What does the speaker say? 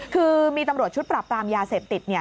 คือมีตำรวจชุดปรับปรามยาเสพติด